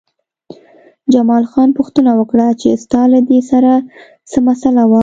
جمال خان پوښتنه وکړه چې ستا له دې سره څه مسئله وه